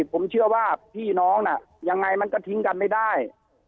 ผมเชื่อว่าพี่น้องน่ะยังไงมันก็ทิ้งกันไม่ได้